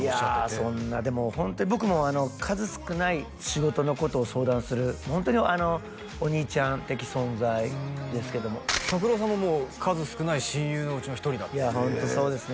そんなでもホントに僕も数少ない仕事のことを相談するホントにお兄ちゃん的存在ですけどもＴＡＫＵＲＯさんももう数少ない親友のうちの一人だっていやホントそうですね